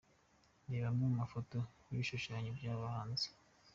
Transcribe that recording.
Reba amwe mu mafoto y’ibishushanyo by’aba bahanzi:.